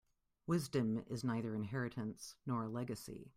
Wisdom is neither inheritance nor a legacy.